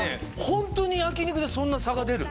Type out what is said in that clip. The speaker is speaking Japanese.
ホントに焼肉でそんな差が出る？